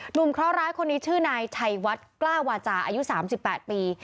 เคราะหร้ายคนนี้ชื่อนายชัยวัดกล้าวาจาอายุ๓๘ปี